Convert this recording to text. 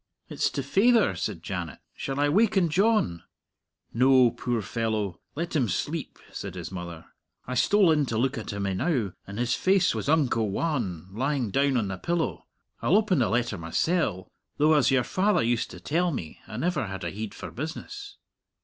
"It's to faither," said Janet. "Shall I waken John?" "No; puir fellow, let him sleep," said his mother. "I stole in to look at him enow, and his face was unco wan lying down on the pillow. I'll open the letter mysell; though, as your faither used to tell me, I never had a heid for business."